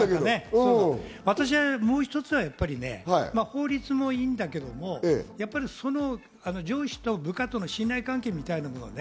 私は法律もいいんだけど上司と部下との信頼関係みたいなものね。